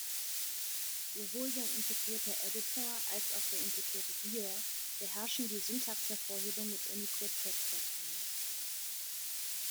Sowohl sein integrierter Editor als auch der integrierte Viewer beherrschen die Syntaxhervorhebung und Unicode-Text-Dateien.